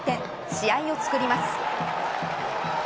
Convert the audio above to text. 試合をつくります。